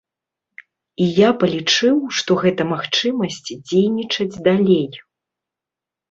І я палічыў, што гэта магчымасць дзейнічаць далей.